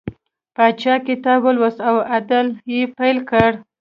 پاچا کتاب ولوست او عدل یې پیل کړ.